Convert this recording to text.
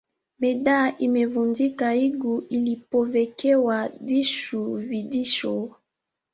Medha imevundika igu ilipovekewa dhichu vidhicho